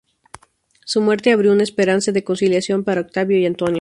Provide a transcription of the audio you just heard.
Su muerte abrió una esperanza de conciliación para Octavio y Antonio.